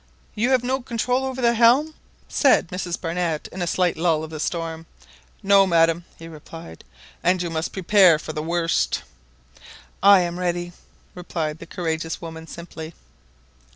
"You have no control over the helm?" said Mrs Barnett in a slight lull of the storm. No, madam he replied; "and you must prep are for the worst." "I am ready!" replied the courageous woman simply.